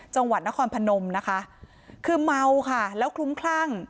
จังหวัดนครพนมนะคะคือเมาค่ะแล้วคลุ้มคลั่ง